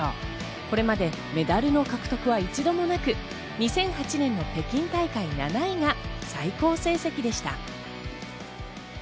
これまでメダルの獲得は一度もなく２００８年の北京大会７位が最高成績でした。